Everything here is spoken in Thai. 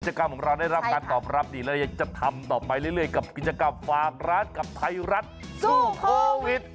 กรรมของเราได้รับการตอบรับดีและยังจะทำต่อไปเรื่อยกับกิจกรรมฝากร้านกับไทยรัฐสู้โควิด